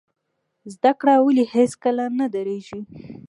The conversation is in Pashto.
زده کړه ولې هیڅکله نه دریږي؟